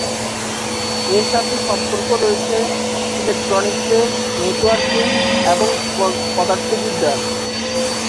এর সাথে সম্পর্ক রয়েছে ইলেকট্রনিক্সের, নেটওয়ার্কিং এবং পদার্থবিদ্যার।